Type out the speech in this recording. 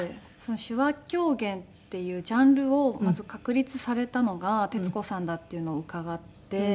手話狂言っていうジャンルをまず確立されたのが徹子さんだっていうのを伺って。